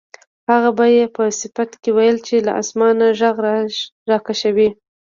هغه به یې په صفت کې ویل چې له اسمانه غږ راکشوي.